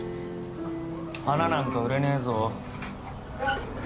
花なんか売れねえぞ